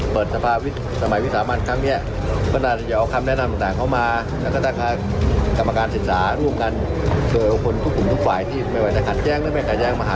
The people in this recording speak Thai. เปิดสมัยวิทยาบาลมีเคมีแขินตอนที่เอง